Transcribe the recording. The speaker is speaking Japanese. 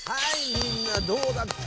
みんなどうだった？